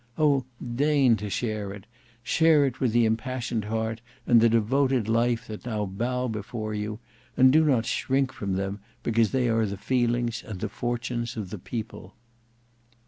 Oh! deign to share it; share it with the impassioned heart and the devoted life that now bow before you; and do not shrink from them, because they are the feelings and the fortunes of the People."